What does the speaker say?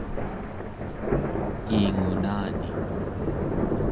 iingunani